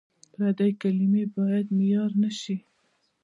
پردۍ کلمې باید معیار نه شي.